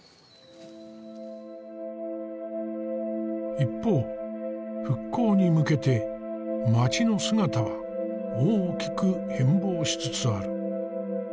一方復興に向けて町の姿は大きく変貌しつつある。